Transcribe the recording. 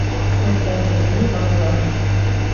Хәстәрлекле балалар.